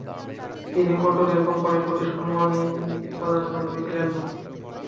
তিনি অটোদের কোম্পানির প্রতি সম্মানী প্রদানে আগ্রহী ছিলেন না।